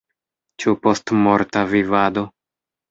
Ĉu postmorta vivado?